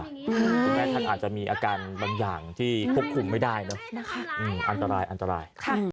คุณแม่ท่านอาจจะมีอาการบางอย่างที่ควบคุมไม่ได้เนอะนะคะอันตรายอันตราย